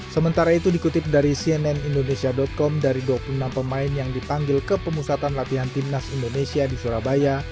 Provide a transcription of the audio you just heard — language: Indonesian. sementara itu dikutip dari cnn indonesia com dari dua puluh enam pemain yang dipanggil ke pemusatan latihan timnas indonesia di surabaya